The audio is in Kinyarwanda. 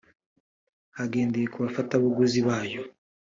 hagendewe ku bafatabuguzi bayo